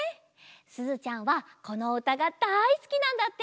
すずちゃんはこのうたがだいすきなんだって。